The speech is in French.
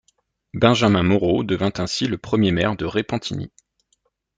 Benjamin Moreau devint ainsi le premier maire de Repentigny.